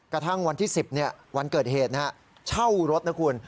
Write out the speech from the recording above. กระทั่งวันที่๑๐วันเกิดเหตุเช่ารถนะคุณ